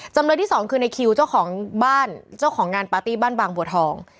จำเลยที่สองคือในคิวเจ้าของบ้านเจ้าของงานปาร์ตี้บ้านบางบัวทอง